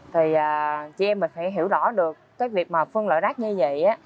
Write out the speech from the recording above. thì chị em mình phải hiểu rõ được cái việc mà phân loại rác như vậy